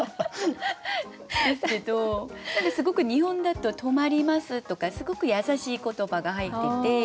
ですけどすごく日本だと「とまります」とかすごく優しい言葉が入ってて。